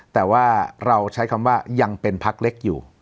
แต่ว่าเราใช้คำว่ายังเป็นพักเล็กอยู่